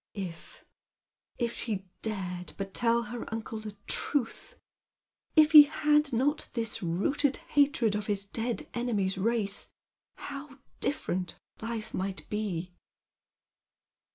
If — if she dared but tell her uncle the truth ! If he had not this rooted hatred of his dead enemy's race, how different life might be